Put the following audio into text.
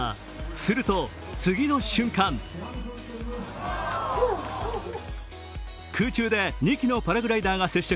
すると次の瞬間、空中で２機のパラグライダーが接触。